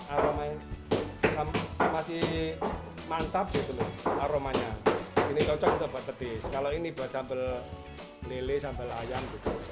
aromanya masih mantap gitu loh aromanya ini cocok untuk petis kalau ini buat sambel lele sambel ayam